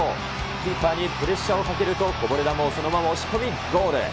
キーパーにプレッシャーをかけると、こぼれ球をそのまま押し込み、ゴール。